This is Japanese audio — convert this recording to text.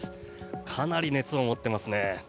かなり熱を持ってますね。